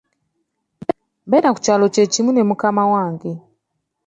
Mbeera ku kyalo kye kimu ne mukama wange.